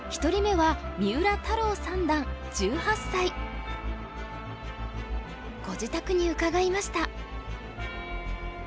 １人目はご自宅に伺いました。